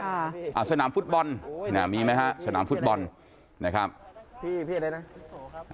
อ่าสนามฟุตบอลเนี่ยมีไหมฮะสนามฟุตบอลนะครับพี่พี่อะไรนะ